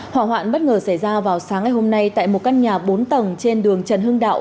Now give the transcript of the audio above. hỏa hoạn bất ngờ xảy ra vào sáng ngày hôm nay tại một căn nhà bốn tầng trên đường trần hưng đạo